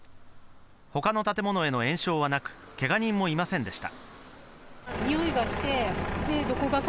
他の建物への延焼はなく、けが人もいませんでした。